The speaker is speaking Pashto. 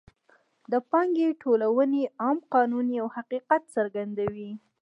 د پانګې ټولونې عام قانون یو حقیقت څرګندوي